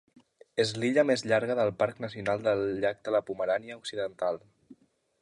És l'illa més llarga del Parc nacional del llac de Pomerània Occidental.